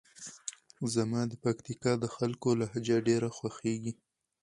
زما د پکتیکا د خلکو لهجه ډېره خوښیږي.